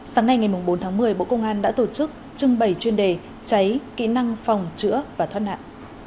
sáng nay ngày bốn tháng một mươi bộ công an đã tổ chức trưng bày chuyên đề cháy kỹ năng phòng chữa và thoát nạn